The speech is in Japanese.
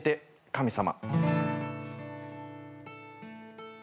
神様」